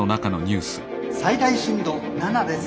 「最大震度７です。